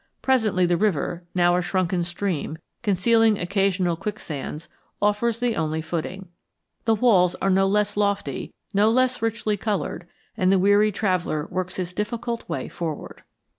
Presently the river, now a shrunken stream, concealing occasional quicksands, offers the only footing. The walls are no less lofty, no less richly colored, and the weary traveller works his difficult way forward.